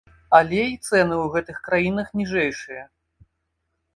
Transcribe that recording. Але і цэны ў гэтых краінах ніжэйшыя.